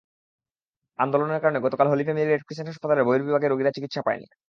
আন্দোলনের কারণে গতকাল হলি ফ্যামিলি রেড ক্রিসেন্ট হাসপাতালের বহির্বিভাগে রোগীরা চিকিৎসা পায়নি।